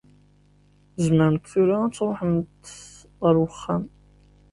Tzemremt tura ad tṛuḥemt ar wexxam.